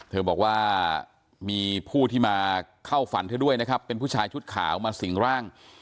เธอบอกว่ามีผู้ที่มาเข้าฝันเธอด้วยนะครับเป็นผู้ชายชุดขาวมาสิ่งร่าง